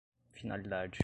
finalidade